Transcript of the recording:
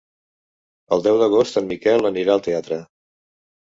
El deu d'agost en Miquel anirà al teatre.